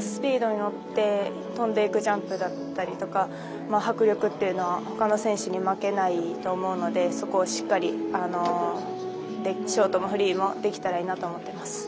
スピードに乗って跳んでいくジャンプだったりとか迫力というのはほかの選手に負けないと思うのでそこをしっかりショートもフリーもできたらいいなと思っています。